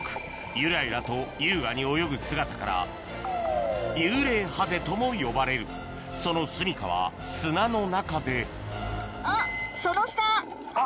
ユラユラと優雅に泳ぐ姿からユウレイハゼとも呼ばれるそのすみかは砂の中であっ。